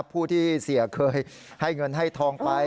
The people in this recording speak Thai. ผู้ที่เสียเคยให้เงินให้ทองไป